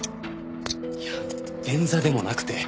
いや便座でもなくて。